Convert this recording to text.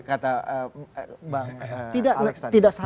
kata bang alex tadi